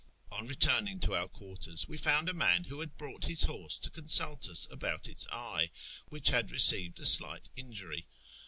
On returning to our quarters we found a man who had brought his horse to consult us about its eye, which had received a slight injury.